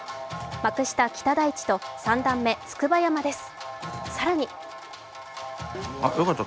幕下・北大地と三段目・筑波山です。